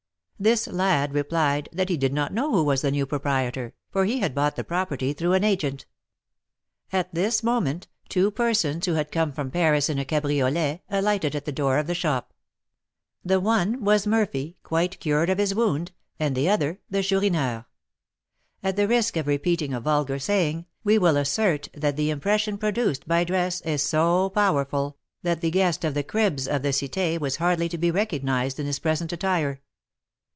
This lad replied that he did not know who was the new proprietor, for he had bought the property through an agent. At this moment two persons, who had come from Paris in a cabriolet, alighted at the door of the shop. The one was Murphy, quite cured of his wound, and the other the Chourineur. At the risk of repeating a vulgar saying, we will assert that the impression produced by dress is so powerful, that the guest of the "cribs" of the Cité was hardly to be recognised in his present attire.